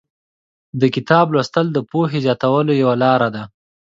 د کتاب لوستل د پوهې زیاتولو یوه لاره ده.